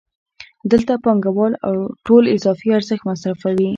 دلته پانګوال ټول اضافي ارزښت مصرفوي